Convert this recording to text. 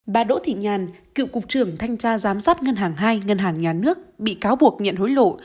bà đỗ thị nhàn cựu cục trưởng thanh tra giám sát ngân hàng hai ngân hàng nhà nước bị cáo buộc nhận hối lộ